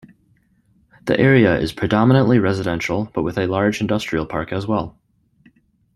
The area is predominantly residential, but with a large industrial park as well.